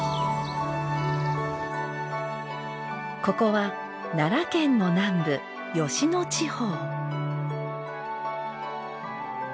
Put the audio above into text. ここは奈良県の南部吉野地方。